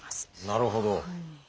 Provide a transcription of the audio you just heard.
なるほど。